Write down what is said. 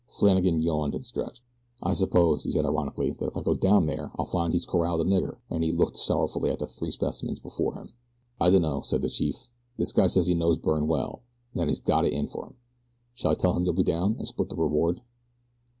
Flannagan yawned and stretched. "I suppose," he said, ironically, "that if I go down there I'll find he's corraled a nigger," and he looked sorrowfully at the three specimens before him. "I dunno," said the chief. "This guy says he knows Byrne well, an' that he's got it in for him. Shall I tell him you'll be down and split the reward?"